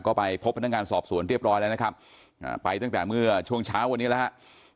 ก็ไปพบพนักงานสอบสวนเรียบร้อยแล้วนะครับไปตั้งแต่เมื่อช่วงเช้าวันนี้แล้วครับ